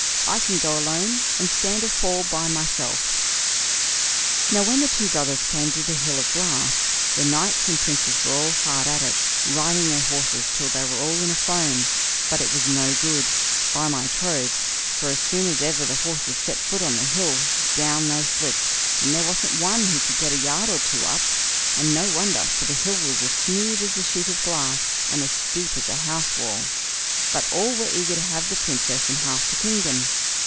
I can go alone, and stand or fall by myself." Now when the two brothers came to the hill of glass, the knights and princes were all hard at it, riding their horses till they were all in a foam; but it was no good, by my troth; for as soon as ever the horses set foot on the hill, down they slipped, and there wasn't one who could get a yard or two up; and no wonder, for the hill was as smooth as a sheet of glass, and as steep as a house wall. But all were eager to have the Princess and half the kingdom.